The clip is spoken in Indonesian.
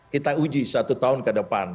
kita uji satu tahun ke depan